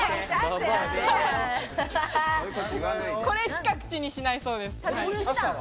これしか口にしないそうです。